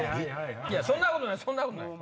そんなことないそんなことない！